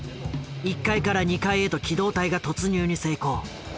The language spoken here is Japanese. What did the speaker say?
１階から２階へと機動隊が突入に成功。